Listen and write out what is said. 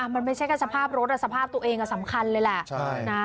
มันไม่ใช่กับสภาพรถแต่สภาพตัวเองสำคัญเลยล่ะ